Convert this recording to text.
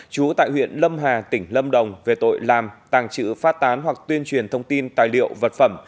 chú tại huyện lâm hà tỉnh lâm đồng về tội làm tàng trữ phát tán hoặc tuyên truyền thông tin tài liệu vật phẩm